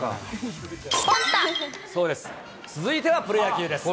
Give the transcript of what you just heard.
続いてはプロ野球です。